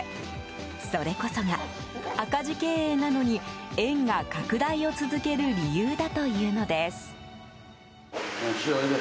それこそが、赤字経営なのに園が拡大を続ける理由だというのです。